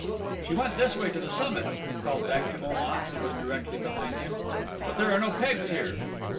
"She went this way to the summit," he called back to Om at who was directly behind him; "but there are no pegs here."